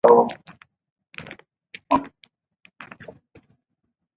خلک باید د ټاکنو ارزښت وپېژني